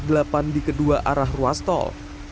banjir juga diperlukan di kedua arah ruas tol